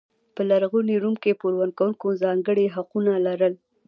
په لرغوني روم کې پور ورکوونکو ځانګړي حقونه لرل.